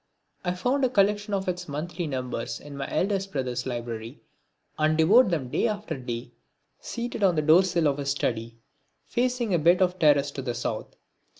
I found a collection of its monthly numbers in my eldest brother's library and devoured them day after day, seated on the doorsill of his study, facing a bit of terrace to the South.